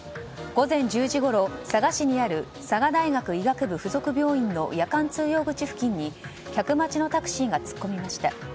午前１０時ごろ佐賀市にある佐賀大学医学部付属病院の夜間通用口付近に客待ちのタクシーが突っ込みました。